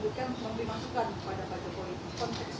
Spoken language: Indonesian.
jadi yang pertama pak yang ke dua adalah